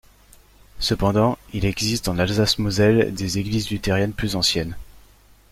Cependant, il existe en Alsace-Moselle des églises luthériennes plus anciennes.